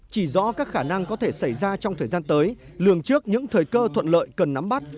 chỉ rõ các khả năng có thể xảy ra trong thời gian tới lường trước những thời cơ thuận lợi cần nắm bắt